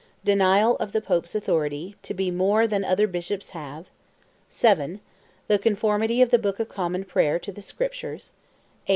Denial of the Pope's authority "to be more than other Bishops have;" 7. The Conformity of the Book of Common Prayer to the Scriptures; 8.